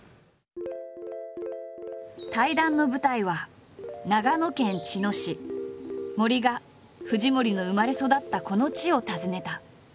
対談の舞台は森が藤森の生まれ育ったこの地を訪ねた。